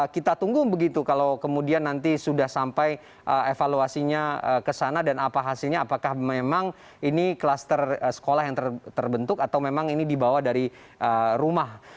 kita tunggu begitu kalau kemudian nanti sudah sampai evaluasinya ke sana dan apa hasilnya apakah memang ini klaster sekolah yang terbentuk atau memang ini dibawa dari rumah